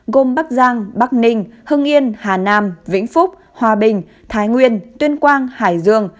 gồm bắc giang bắc ninh hưng yên hà nam vĩnh phúc hòa bình thái nguyên tuyên quang hải dương